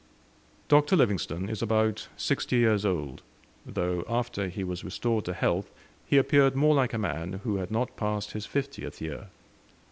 Dr. Livingstone is about sixty years old, though after he was restored to health he appeared more like a man who had not passed his fiftieth year.